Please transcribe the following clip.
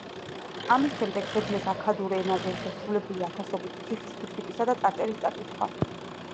ამის შემდეგ შეძლეს აქადურ ენაზე შესრულებული ათასობით თიხის ფირფიტისა და წარწერის წაკითხვა.